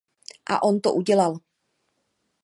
A on to udělal.